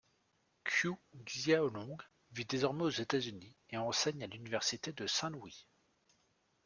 Qiu Xiaolong vit désormais aux États-Unis et enseigne à l'université de Saint-Louis.